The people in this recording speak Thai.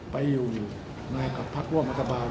ไปอยู่ในกับพักร่วมรัฐบาล